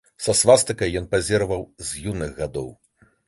Са свастыкай ён пазіраваў з юных гадоў.